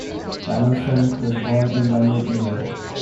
Donaldson was born in London, England.